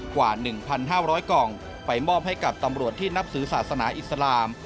กว่า๑๕๐๐กล่องไปมอบให้กับตำรวจที่นับถือศาสนาอิสลาม